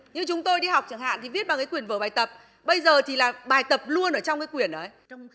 như chúng tôi đi học chẳng hạn thì viết bằng cái quyền vở bài tập bây giờ thì là bài tập luôn ở trong cái quyển đấy